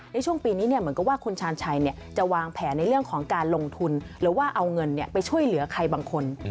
ในช่วงปีนี้เหมือนกับว่าคุณชาญชัยจะวางแผนในเรื่องของการลงทุนหรือว่าเอาเงินไปช่วยเหลือใครบางคน